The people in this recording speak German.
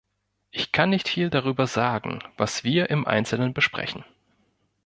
Ich kann nicht viel darüber sagen, was wir im Einzelnen besprechen.